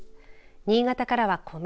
新潟からはコメ